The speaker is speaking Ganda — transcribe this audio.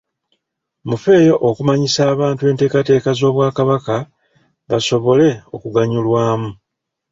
Mufeeyo okumanyisa abantu enteekateeka z'Obwakabaka basobole okuganyulwamu.